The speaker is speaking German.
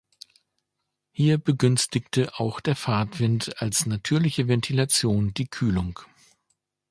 Hier begünstigte auch der Fahrtwind als natürliche Ventilation die Kühlung.